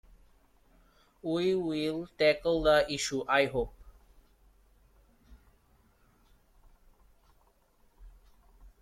We will tackle this issue, I hope.